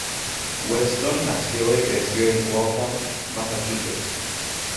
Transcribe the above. Weston nació y creció en Waltham, Massachusetts.